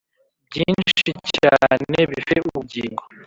byinshi cyane bifite ubugingo